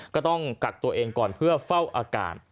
ก็ต้องกักตัวเองก่อนเพื่อเฝ้าอาการ